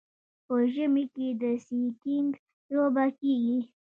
په ژمي کې د سکیینګ لوبه کیږي.